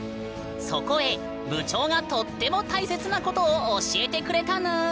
そこへ部長がとっても大切なことを教えてくれたぬん。